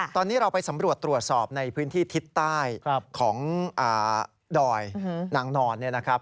ตอนนี้เราไปสำรวจตรวจสอบในพื้นที่ทิศใต้ของดอยนางนอนเนี่ยนะครับ